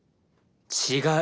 違う！